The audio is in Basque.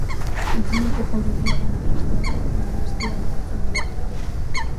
Antzinako jauregiaren arrastoak baino ez dira geratzen bertan.